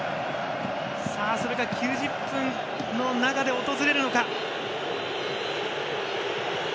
それが９０分の中で訪れるのか。